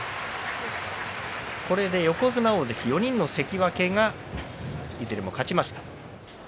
これで横綱、大関４人の関脇がいずれも勝ちました。